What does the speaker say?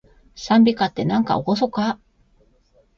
讃美歌って、なんかおごそかー